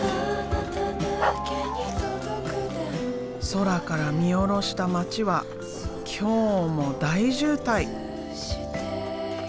空から見下ろした街は今日も大渋滞。